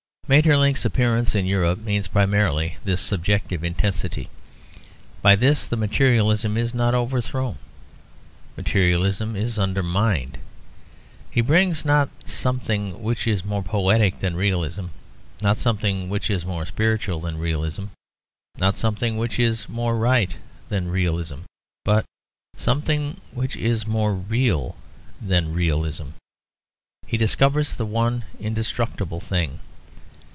Maeterlinck's appearance in Europe means primarily this subjective intensity; by this the materialism is not overthrown: materialism is undermined. He brings, not something which is more poetic than realism, not something which is more spiritual than realism, not something which is more right than realism, but something which is more real than realism. He discovers the one indestructible thing.